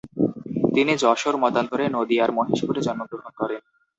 তিনি যশোর মতান্তরে নদীয়ার মহেশপুরে জন্মগ্রহণ করেন।